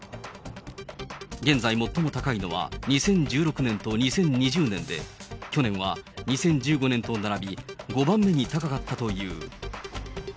現在最も高いのは、２０１６年と２０２０年で、去年は２０１５年と並び、５番目に高かったという。